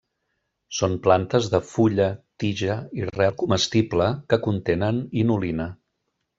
Són plantes de fulla, tija i rel comestible que contenen inulina.